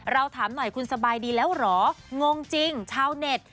เราถามหน่อยคุณสบายดีแล้วเหรองงจริงชาวเน็ต